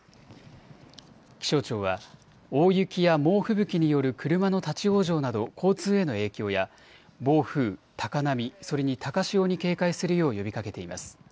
気象庁は大雪や猛吹雪による車の立往生など交通への影響や暴風、高波、それに高潮に警戒するよう呼びかけています。